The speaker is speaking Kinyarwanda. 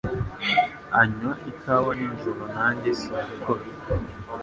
anywa ikawa nijoro Nanjye simbikora